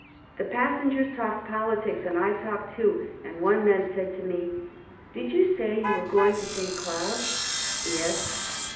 The passengers talked politics and I talked too, and one man said to me: " Did you say you were going to St. Cloud? " Yes."